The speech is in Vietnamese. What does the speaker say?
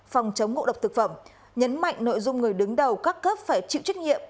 phòng chống ngộ độc thực phẩm nhấn mạnh nội dung người đứng đầu các cấp phải chịu trách nhiệm